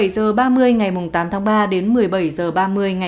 số bệnh nhân tử vong bốn ca sở y tế cdc kcb vn